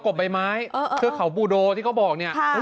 บใบไม้เทือกเขาปูโดที่เขาบอกเนี่ย